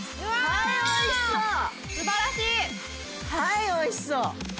はい美味しそう。